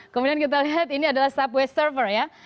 kemudian kita lihat ini adalah subway server ya